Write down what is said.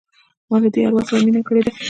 ما دي له اروا سره مینه کړې ده